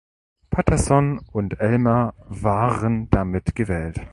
Paterson und Elmer waren damit gewählt.